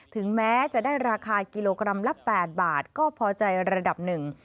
ถึงแม้จะได้ราคากิโลกรัมละ๘บาทก็พอใจระดับหนึ่ง